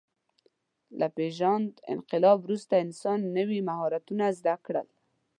له پېژاند انقلاب وروسته انسان نوي مهارتونه زده کړل.